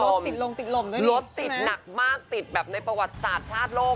ติดลงติดลมด้วยรถติดหนักมากติดแบบในประวัติศาสตร์ชาติโลก